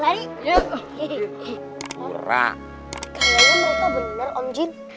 kaliannya mereka bener om jin